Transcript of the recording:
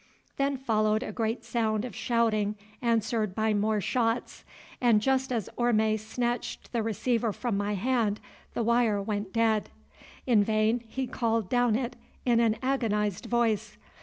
'" Then followed a great sound of shouting answered by more shots, and just as Orme snatched the receiver from my hand the wire went dead. In vain he called down it in an agonized voice.